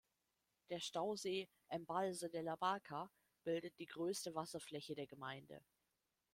Der Stausee Embalse de la Barca bildet die größte Wasserfläche der Gemeinde.